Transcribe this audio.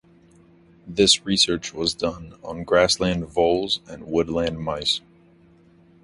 This research was done on grassland voles and woodland mice.